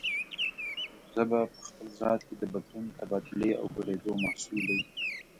ژبه په خپل ذات کې د بدلون، تبادلې او ګډېدو محصول دی